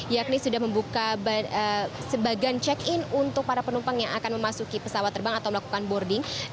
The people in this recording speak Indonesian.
yakni sudah membuka sebagian check in untuk para penumpang yang akan memasuki pesawat terbang atau melakukan boarding